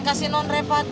ke si nonrepa